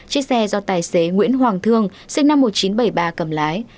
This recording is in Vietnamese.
chiếc xe do tài xế nguyễn hoàng thương sinh năm một nghìn chín trăm bảy mươi ba cầm lái